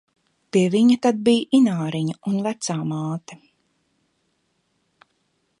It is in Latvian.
Pie viņa tad bija Ināriņa un vecā māte.